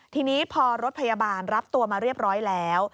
ทีนี้พอรถพยาบาลรับตัวมาเรียบร้อยแล้ว